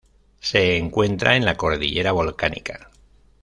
Se encuentra en la Cordillera Volcánica.